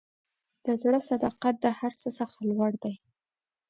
د زړه صداقت د هر څه څخه لوړ دی.